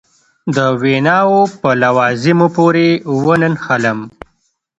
د ویناوو په لوازمو پورې ونه نښلم.